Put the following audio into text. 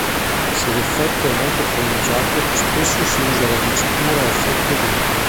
Se l'effetto è molto pronunciato spesso si usa la dicitura effetto vetro.